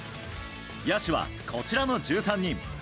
野手は、こちらの１３人。